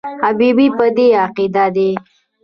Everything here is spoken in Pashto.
حبیبي په دې عقیده دی.